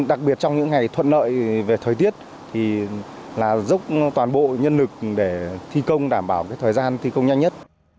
đặc biệt trong những ngày thuận lợi về thời tiết thì là dốc toàn bộ nhân lực để thi công đảm bảo thời gian thi công nhanh nhất